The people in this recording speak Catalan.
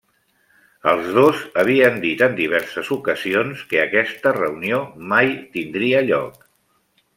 Els dos havien dit en diverses ocasions que aquesta reunió mai tindria lloc.